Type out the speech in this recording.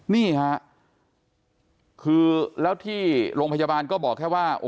นี่ค่ะคือแล้วที่โรงพยาบาลก็บอกแค่ว่า